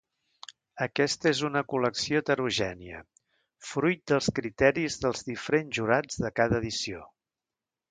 Aquesta és una col·lecció heterogènia fruit dels criteris dels diferents jurats de cada edició.